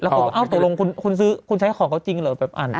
แล้วตกลงคุณใช้ของเขาจริงหรอแบบอัน